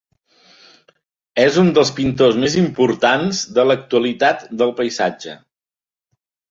És un dels pintors més importants de l'actualitat del paisatge.